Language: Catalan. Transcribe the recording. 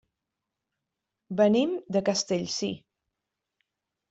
Venim de Castellcir.